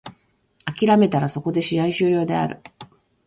諦めたらそこで試合終了である。